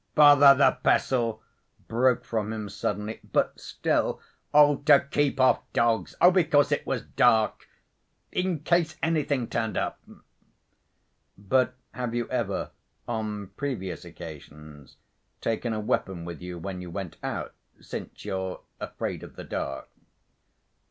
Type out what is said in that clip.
"Bother the pestle!" broke from him suddenly. "But still—" "Oh, to keep off dogs.... Oh, because it was dark.... In case anything turned up." "But have you ever on previous occasions taken a weapon with you when you went out, since you're afraid of the dark?"